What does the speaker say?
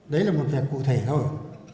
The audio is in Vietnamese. đấy là một vẻ cụ thể thôi